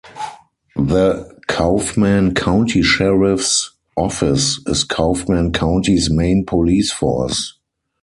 The Kaufman County Sheriff's Office is Kaufman County's main police force.